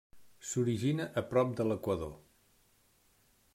S'origina a prop de l'equador.